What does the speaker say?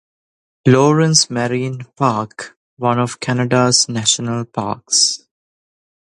Lawrence Marine Park, one of Canada's national parks.